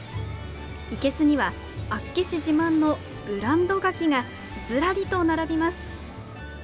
生けすには厚岸自慢のブランドガキがずらりと並びます。